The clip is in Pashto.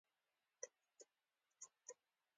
هغه به د هنر تاریخ لوستونکی شوی وای